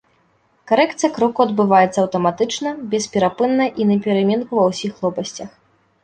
Карэкцыя кроку адбываецца аўтаматычна, бесперапынна і напераменку ва ўсіх лопасцях.